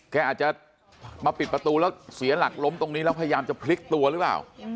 อาจจะมาปิดประตูแล้วเสียหลักล้มตรงนี้แล้วพยายามจะพลิกตัวหรือเปล่า